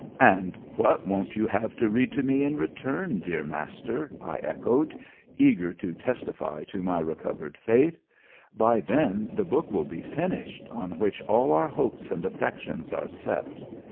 "And what won't you have to read to me in return, dear Master," I echoed, eager to testify to my recovered faith. "By then the book will be finished on which all our hopes and affections are set.